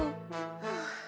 はあ。